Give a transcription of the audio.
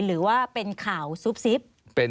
หรือว่าเป็นข่าวซุบซิบ